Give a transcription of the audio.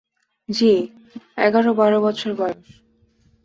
জ্বি, এগার-বার বছর বয়স।